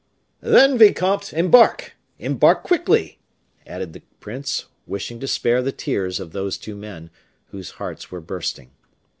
"Then, vicomte, embark embark quickly!" added the prince, wishing to spare the tears of these two men, whose hearts were bursting.